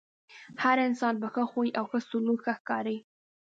هر انسان په ښۀ خوی او ښۀ سلوک ښۀ ښکاري .